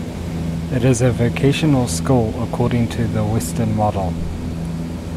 It is a vocational school according to the Western model.